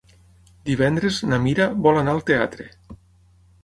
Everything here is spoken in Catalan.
Divendres na Mira vol anar al teatre.